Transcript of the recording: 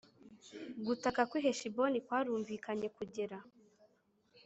Gutaka kw i Heshiboni kwarumvikanye kugera